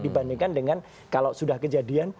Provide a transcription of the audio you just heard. dibandingkan dengan kalau sudah kejadian